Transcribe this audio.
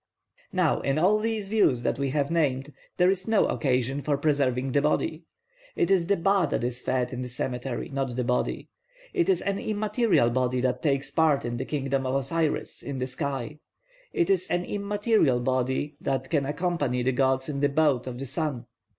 Now in all these views that we have named there is no occasion for preserving the body. It is the ba that is fed in the cemetery, not the body. It is an immaterial body that takes part in the kingdom of Osiris, in the sky. It is an immaterial body that can accompany the gods in the boat of the sun.